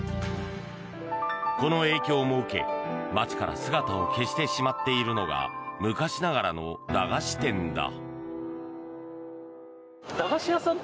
この影響も受け、街から姿を消してしまっているのが昔ながらの駄菓子店だ。